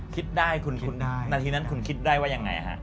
คิดได้คุณคิดนาทีนั้นคุณคิดได้ว่ายังไงฮะ